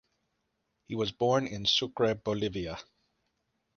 He was born in Sucre, Bolivia.